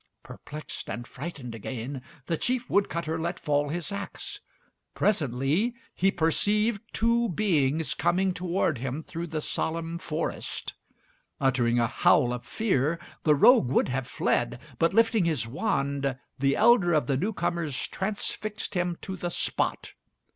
Perplexed and frightened again, the chief wood cutter let fall his axe. Presently he perceived two beings coming toward him through the solemn forest. Uttering a howl of fear, the rogue would have fled, but, lifting his wand, the elder of the newcomers transfixed him to the spot.